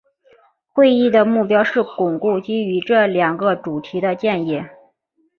会议的目标是巩固基于这两个主题的建议。